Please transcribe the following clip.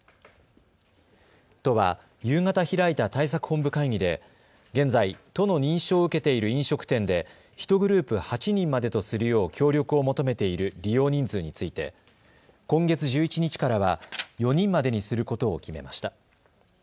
都は夕方開いた対策本部会議で現在、都の認証を受けている飲食店で１グループ８人までとするよう協力を求めている利用人数について今月１１日からは４人までにすることを決めました。